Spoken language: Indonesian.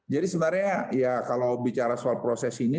jadi sebenarnya ya kalau bicara soal proses ini